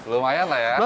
lumayan lah ya